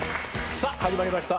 さぁ始まりました。